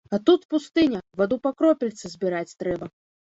А тут пустыня, ваду па кропельцы збіраць трэба.